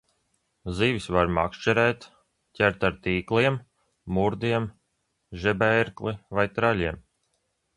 Zivis var makšķerēt, ķert ar tīkliem, murdiem, žebērkli vai traļiem.